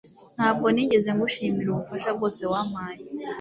ntabwo nigeze ngushimira ubufasha bwose wampaye